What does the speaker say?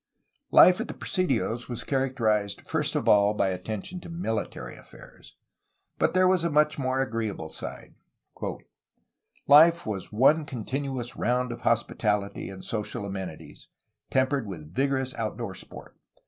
Life at the presidios was characterized first of all by at tention to militarj' affairs. But there was a much more agreeable side: "Life was one continuous round of hospitality and social amen ities, tempered with vigorous outdoor sport.